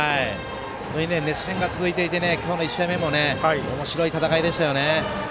熱戦が続いていて今日の１試合目もおもしろい戦いでしたよね。